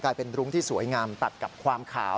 เป็นรุ้งที่สวยงามตัดกับความขาว